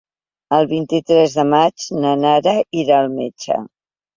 El vint-i-tres de maig na Nara irà al metge.